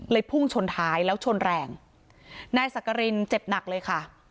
พุ่งชนท้ายแล้วชนแรงนายสักกรินเจ็บหนักเลยค่ะ